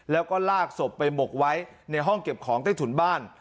แล้วก็ลากศพไปหมกไว้ในห้องเก็บของใต้ถุนบ้าน